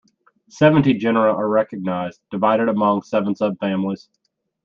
Seventy genera are recognised, divided among seven subfamilies.